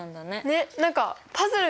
ねっ！